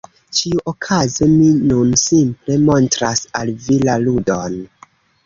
Ĉiuokaze mi nun simple montras al vi la ludon…